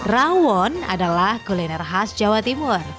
rawon adalah kuliner khas jawa timur